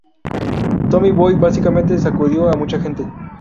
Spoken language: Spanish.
Tommy Boy básicamente sacudió a mucha gente.